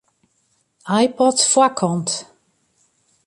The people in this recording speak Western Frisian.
iPod foarkant.